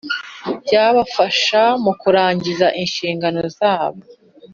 byabafasha mu kurangiza inshingano zabo.